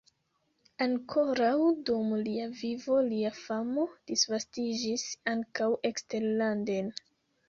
Ankoraŭ dum lia vivo lia famo disvastiĝis ankaŭ eksterlanden.